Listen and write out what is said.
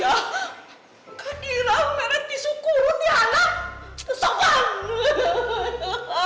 aku ingin bawa tisu kurut ya allah